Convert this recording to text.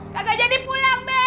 kagak jadi pulang be